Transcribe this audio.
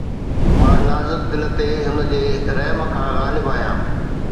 مان نازڪ دل تي هن جي رحم کان غالب آهيان